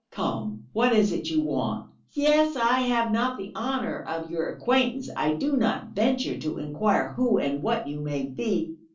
"Come, what is it you want?" "Yes ... I have not the honour of your acquaintance; I do not venture to inquire who and what you may be....